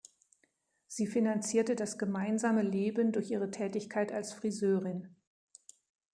Sie finanzierte das gemeinsame Leben durch ihre Tätigkeit als Friseurin.